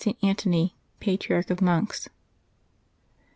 ST. ANTONY, Patriarch of Monks.